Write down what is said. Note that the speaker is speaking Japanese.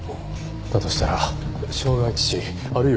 だとしたら傷害致死あるいは殺人ですね。